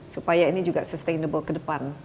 supaya ini juga sustainable ke depan